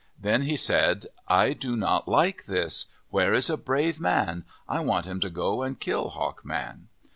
Then he said, " I do not like this. Where is a brave man ? I want him to go and kill Hawk Man."